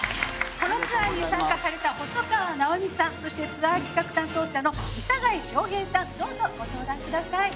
このツアーに参加された細川直美さんそしてツアー企画担当者の飯盛翔平さんどうぞご登壇ください。